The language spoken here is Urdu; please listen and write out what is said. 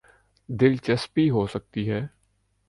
دلچسپی ہو سکتی ہے۔